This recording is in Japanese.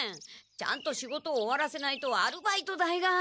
ちゃんと仕事終わらせないとアルバイト代が。